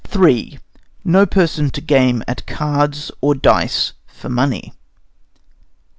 III No person to game at cards or dice for money.